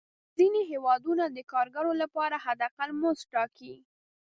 ځینې هېوادونه د کارګرو لپاره حد اقل مزد ټاکي.